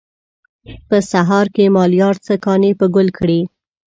په سهار کې مالیار څه کانې په ګل کړي.